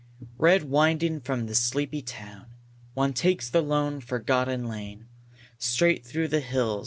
Red winding from the sleepy town, One takes the lone, forgotten lane Straight through the hills.